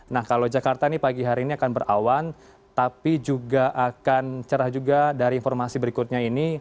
nah kalau jakarta ini pagi hari ini akan berawan tapi juga akan cerah juga dari informasi berikutnya ini